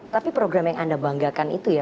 tapi program yang anda banggakan itu ya